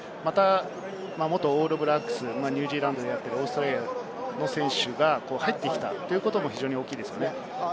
元オールブラックス・ニュージーランドやオーストラリア代表の選手が入ってきたということも大きいですね。